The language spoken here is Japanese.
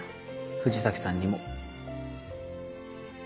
藤崎さんにも。